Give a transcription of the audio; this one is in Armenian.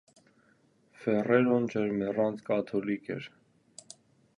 Ֆեռերոն ջերմեռանդ կաթոլիկ էր։